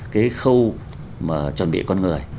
cái khâu mà chuẩn bị con người